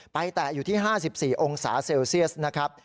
แตะอยู่ที่๕๔องศาเซลเซียสนะครับ